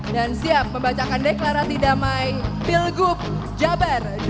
dan siap membacakan deklarasi damai pilgub jabar dua ribu delapan belas